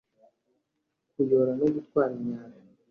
kuyora no gutwara imyanda